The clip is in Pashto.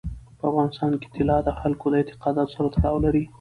په افغانستان کې طلا د خلکو د اعتقاداتو سره تړاو لري.